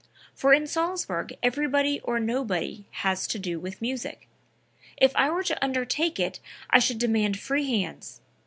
For in Salzburg everybody or nobody has to do with music. If I were to undertake it I should demand free hands.